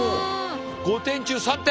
５点中３点。